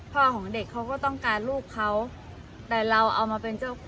ของเด็กเขาก็ต้องการลูกเขาแต่เราเอามาเป็นเจ้า